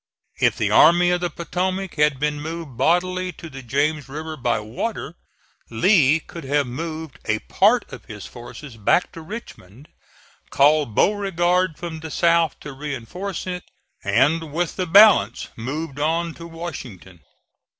If the Army of the Potomac had been moved bodily to the James River by water Lee could have moved a part of his forces back to Richmond, called Beauregard from the south to reinforce it, and with the balance moved on to Washington.